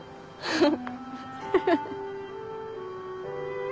フフフ。